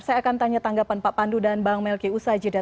saya akan tanya tanggapan pak pandu dan bang melky ushajidah